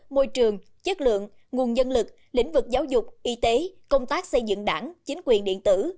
môi trường chất lượng nguồn nhân lực lĩnh vực giáo dục y tế công tác xây dựng đảng chính quyền điện tử